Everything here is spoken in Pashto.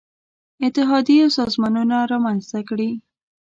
اتحادیې او سازمانونه رامنځته کړي.